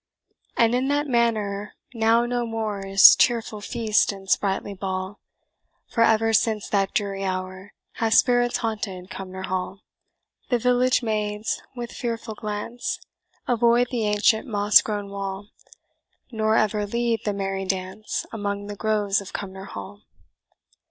And in that Manor now no more Is cheerful feast and sprightly ball; For ever since that dreary hour Have spirits haunted Cumnor Hall. The village maids, with fearful glance, Avoid the ancient moss grown wall; Nor ever lead the merry dance, Among the groves of Cumnor Hall.